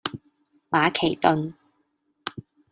馬其頓